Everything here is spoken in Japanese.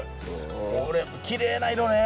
これきれいな色ね。